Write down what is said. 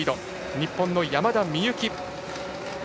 日本の山田美幸。